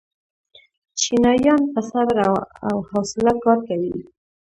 چینایان په صبر او حوصله کار کوي.